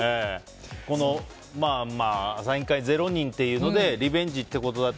まあ、サイン会０人っていうのでリベンジってことで。